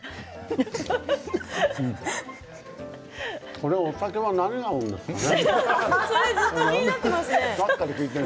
これは、お酒は何が合うんでしょうかね。